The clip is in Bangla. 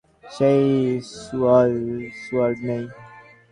তবে বার্সার একাডেমিতে আগের সেই জোয়ার নেই।